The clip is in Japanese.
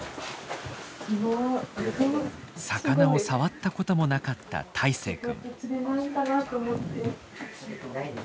魚を触ったこともなかった泰誠君。